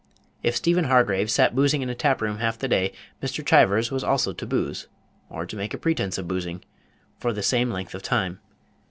If Stephen Hargraves sat boozing in a tap room half the day, Mr. Chivers was also to booze, or to make a pretence of boozing, for the same length of time.